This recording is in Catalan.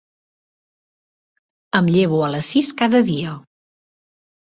Em llevo a les sis cada dia.